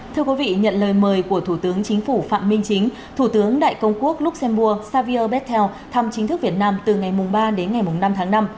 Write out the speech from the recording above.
thưa quý vị nhận lời mời của thủ tướng chính phủ phạm minh chính thủ tướng đại công quốc luxembourg savio bettel thăm chính thức việt nam từ ngày ba đến ngày năm tháng năm